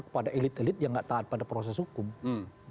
kepada elit elit yang gak taat pada proses hukum